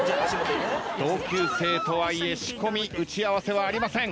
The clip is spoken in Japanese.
同級生とはいえ仕込み打ち合わせはありません。